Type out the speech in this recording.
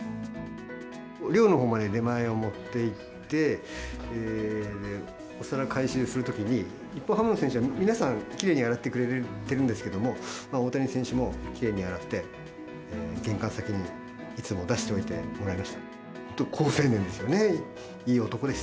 寮のほうまで出前を持っていって、お皿、回収するときに、日本ハムの選手は皆さん、きれいに洗ってくれてるんですけれども、大谷選手もきれいに洗って、玄関先にいつも出しておいてもらいました。